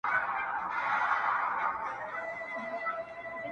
د بېوزلانو په خوله سوې خاوري -